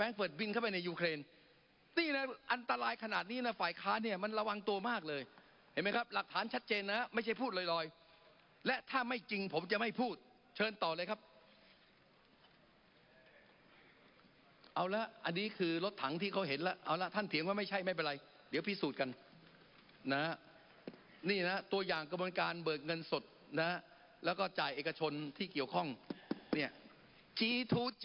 เอาละอันนี้คือรถถังที่เขาเห็นแล้วเอาละท่านเถียงว่าไม่ใช่ไม่เป็นไรเดี๋ยวพิสูจน์กันนะฮะนี่นะตัวอย่างกระบวนการเบิกเงินสดนะฮะแล้วก็จ่ายเอกชนที่เกี่ยวข้องเนี่ย